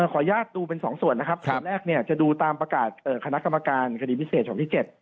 ค่อยญาติมี๒ส่วนครับส่วนแรกเนี่ยจะดูตามประกาศคณะกรรมการคดีพิเศษของที่๗